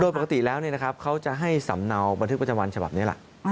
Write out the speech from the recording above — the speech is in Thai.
โดยปกติแล้วเขาจะให้สำเนาบันทึกประจำวันฉบับนี้แหละ